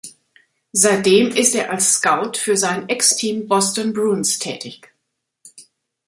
Seitdem ist er als Scout für sein Ex-Team Boston Bruins tätig.